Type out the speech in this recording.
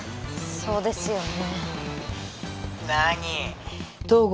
そうですよね